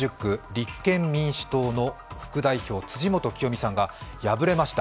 立憲民主党の副代表・辻元清美さんが敗れました。